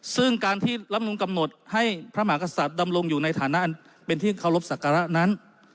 ซึ่งการที่รับนูลกำหนดให้พระมหากษัตริย์ดำรงอยู่ในฐานะเป็นที่เคารพสักการะนั้น